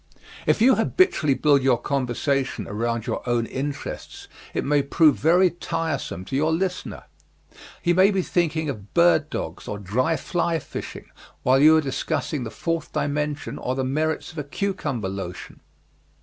If you habitually build your conversation around your own interests it may prove very tiresome to your listener. He may be thinking of bird dogs or dry fly fishing while you are discussing the fourth dimension, or the merits of a cucumber lotion.